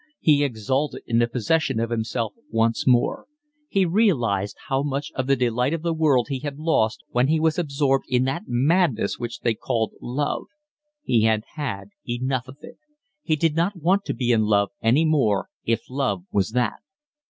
He exulted in the possession of himself once more; he realised how much of the delight of the world he had lost when he was absorbed in that madness which they called love; he had had enough of it; he did not want to be in love any more if love was that.